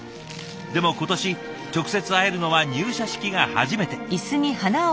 でも今年直接会えるのは入社式が初めて。